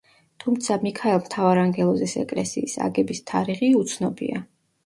თუმცა მიქაელ მთავარანგელოზის ეკლესიის აგების თარიღი უცნობია.